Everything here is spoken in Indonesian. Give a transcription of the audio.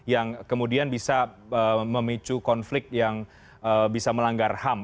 yang kemudian bisa memicu konflik yang bisa melanggar ham